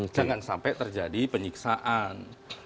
jangan sampai terjadi penyiksaan